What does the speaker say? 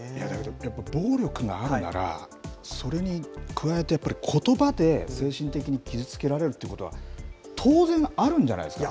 やっぱり暴力があるなら、それに加えて、やっぱりことばで、精神的に傷つけられるってことは、当然あるんじゃないですか。